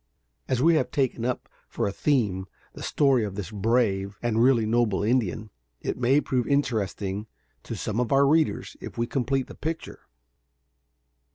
As we have taken up for a theme the story of this brave and really noble Indian, it may prove interesting to some of our readers if we complete the picture.